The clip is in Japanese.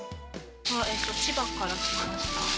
千葉から買いに来ました。